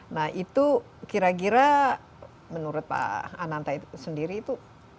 nah itu kira kira menurut pak ananta itu sendiri itu